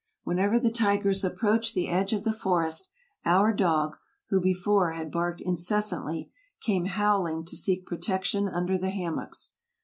Whenever the tigers approached the edge of the forest, our dog, who before had barked incessantly, came howling to seek protection under the hammocks.